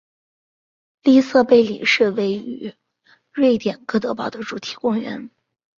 利瑟贝里是位于瑞典哥德堡的主题公园。